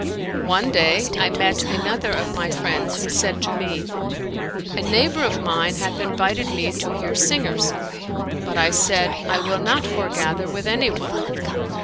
One day, I met another of my friends who said to me, " A neighbor of mine hath invited me to hear singers," but I said :" I will not foregather with anyone."